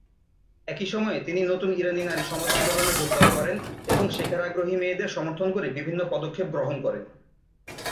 একই সময়ে তিনি নতুন ইরানি নারী সমতা আন্দোলনে যোগদান করেন এবং শেখার আগ্রহী মেয়েদের সমর্থন করে বিভিন্ন পদক্ষেপ গ্রহণ করেন।